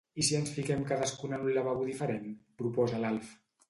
I si ens fiquem cadascun en un lavabo diferent? —proposa l'Alf.